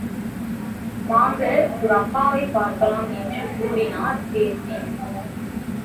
வாங்க, உங்க அப்பாவைப் பார்க்கலாம் என்று கூறினார் வீர்சிங்.